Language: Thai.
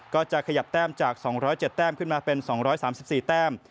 ก็จะขยับแต้มจาก๒๐๗แต้มขึ้นมาเป็น๒๓๔แต้ม